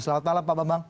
selamat malam pak bambang